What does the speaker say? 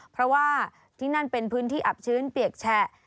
เพราะว่าที่นั่นเป็นพื้นที่อับชื้นเปียกแฉะ